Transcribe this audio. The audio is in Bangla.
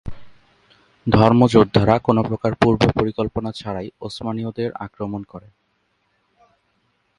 ধর্ম যোদ্ধারা কোন প্রকার পুর্ব পরিকল্পনা ছাড়াই উসমানীয়দের আক্রমণ করে।